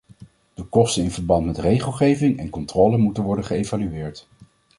De kosten in verband met regelgeving en controle moeten worden geëvalueerd.